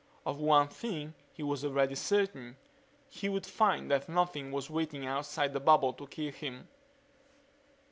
Of one thing he was already certain; he would find that nothing was waiting outside the bubble to kill him